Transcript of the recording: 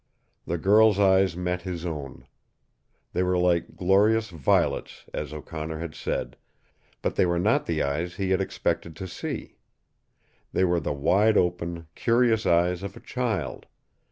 The girl's eyes met his own. They were like glorious violets, as O'Connor had said, but they were not the eyes he had expected to see. They were the wide open, curious eyes of a child.